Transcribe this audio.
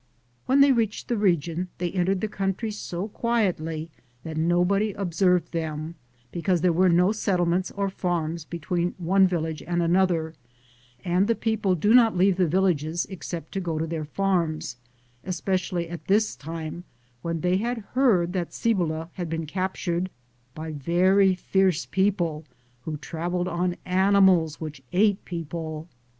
When they reached the region, they entered the country so quietly that nobody observed them, because there were no settlements or farms between one village and another and the people do not leave the villages except to go to their farms, especially at this time, when they had heard that Cibola had been captured by very fierce people, who travelled on animals which ate people.